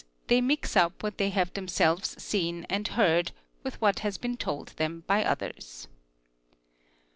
they mix up what they have themselves seen and heard with what has been told them by others.